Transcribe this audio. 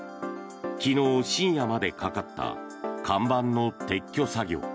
昨日、深夜までかかった看板の撤去作業。